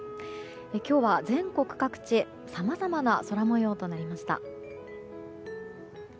今日は全国各地さまざまな空模様となりました。